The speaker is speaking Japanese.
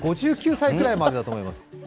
５９歳くらいまでだと思います。